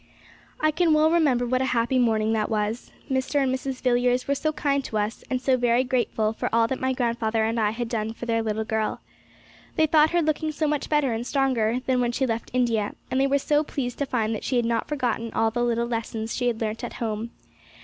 I can well remember what a happy morning that was. Mr. and Mrs. Villiers were so kind to us, and so very grateful for all that my grandfather and I had done for their little girl. They thought her looking so much better and stronger than when she left India, and they were so pleased to find that she had not forgotten all the little lessons she had learnt at home.